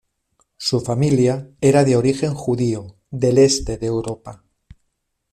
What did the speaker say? Su familia era de origen judío del este de Europa.